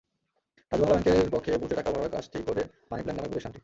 ডাচ্-বাংলা ব্যাংকের পক্ষে বুথে টাকা ভরার কাজটি করে মানি প্ল্যান্ট নামের প্রতিষ্ঠানটি।